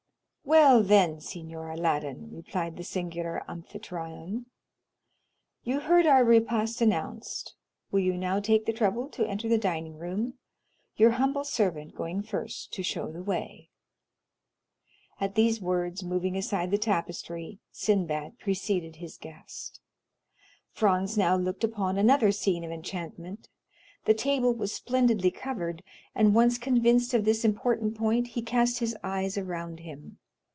"Well, then, Signor Aladdin," replied the singular Amphitryon, "you heard our repast announced, will you now take the trouble to enter the dining room, your humble servant going first to show the way?" At these words, moving aside the tapestry, Sinbad preceded his guest. Franz now looked upon another scene of enchantment; the table was splendidly covered, and once convinced of this important point he cast his eyes around him.